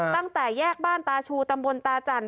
ตั้งแต่แยกบ้านตาชูตำบลตาจันท